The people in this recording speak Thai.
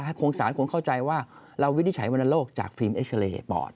ถ้าโครงสารคงเข้าใจว่าเราวินิจฉัยวนโรคจากฟิล์มเอ็กซาเลบอร์ด